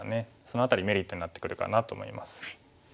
その辺りメリットになってくるかなと思います。